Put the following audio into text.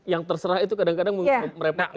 yang terserah itu kadang kadang merepotkan